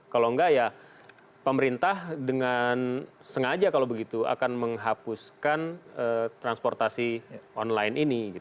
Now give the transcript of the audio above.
kalau enggak ya pemerintah dengan sengaja kalau begitu akan menghapuskan transportasi online ini